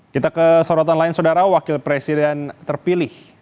kita ke sorotan lain saudara wakil presiden terpilih